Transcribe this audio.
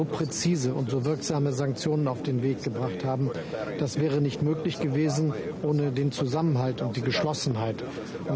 presiden ukraina vladimir putin